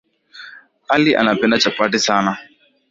Ali anapenda chapati sana.